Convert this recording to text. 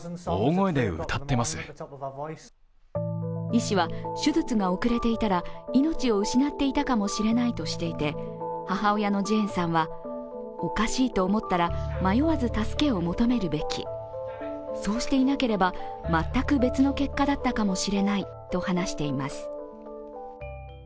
医師は手術が遅れていたら命を失っていたかもしれないとしていて母親のジェーンさんはおかしいと思ったら迷わず助けを求めるべきそうしていなければ全く別の結果だったかもしれないと話しています。